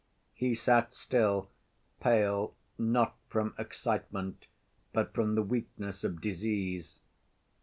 He sat still, pale, not from excitement but from the weakness of disease.